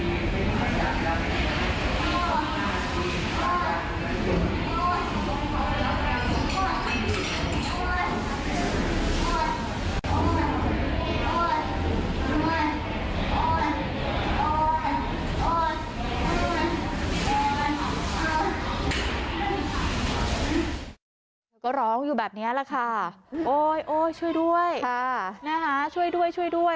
เธอก็ร้องอยู่แบบนี้แหละค่ะโอ๊ยช่วยด้วยนะคะช่วยด้วย